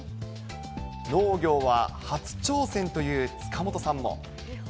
農業は初挑戦という塚本さんも。